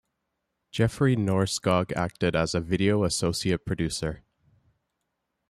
Jeffrey Norskog acted as a video associate producer.